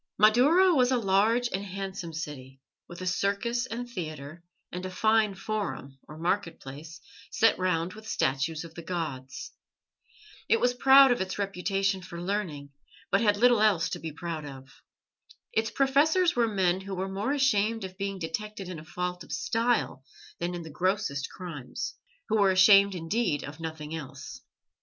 Madaura was a large and handsome city, with a circus and theatre, and a fine forum, or market place, set round with statues of the gods. It was proud of its reputation for learning, but had little else to be proud of. Its professors were men who were more ashamed of being detected in a fault of style than in the grossest crimes, who were ashamed indeed of nothing else.